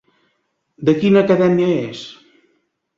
De quina acadèmia és?